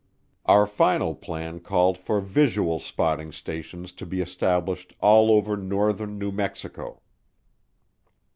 Our final plan called for visual spotting stations to be established all over northern New Mexico.